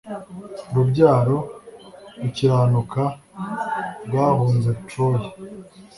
urubyaro rukiranuka rwahunze Troy